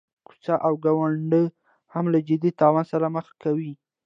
کوڅه او ګاونډ هم له جدي تاوان سره مخ کوي.